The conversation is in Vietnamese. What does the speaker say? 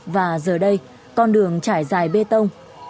và giờ đây con đường trải dài bê tông